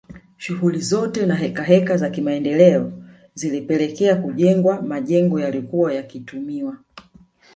Shughuli zote na hekaheka za kimaendeleo zilipelekea kujengwa majengo yaliyokuwa yakitumiwa